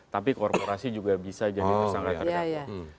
tapi korporasi juga bisa jadi tersangka terdakwa